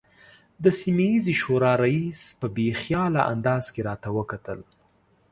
د سیمه ییزې شورا رئیس په بې خیاله انداز کې راته وکتل.